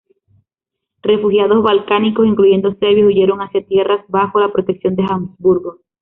Refugiados balcánicos, incluyendo serbios, huyeron hacia tierras bajo la protección Habsburgo.